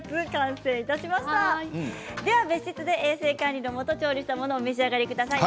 別室で衛生管理のもと調理したものをお召し上がりください。